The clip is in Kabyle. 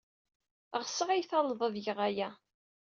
Ɣseɣ ad iyi-talled ad geɣ aya.